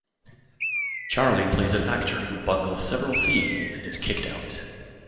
Charlie plays an actor who bungles several scenes and is kicked out.